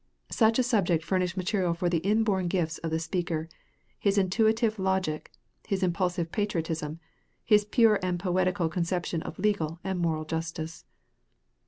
Such a subject furnished material for the inborn gifts of the speaker, his intuitive logic, his impulsive patriotism, his pure and poetical conception of legal and moral justice.